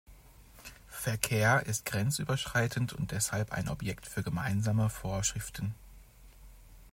Verkehr ist grenzüberschreitend und deshalb ein Objekt für gemeinsame Vorschriften.